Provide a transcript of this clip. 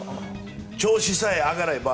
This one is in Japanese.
調子さえ上がれば。